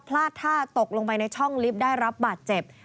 พลาดท่าตกลงไปในช่องลิฟต์ได้รับบาดเจ็บ